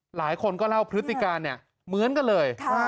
หลายคนก็เล่าพฤติการเนี่ยเหมือนกันเลย